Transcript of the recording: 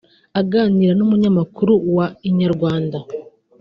Aganira n'umunyamakuru wa Inyarwanda